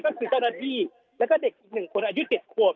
ก็คือเจ้าหน้าที่แล้วก็เด็กอีกหนึ่งคนอายุ๑๐ครับ